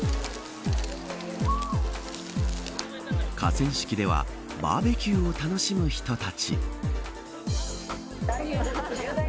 河川敷ではバーベキューを楽しむ人たち。